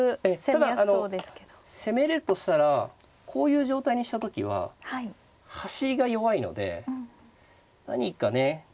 ただあの攻めれるとしたらこういう状態にした時は端が弱いので何かねこう。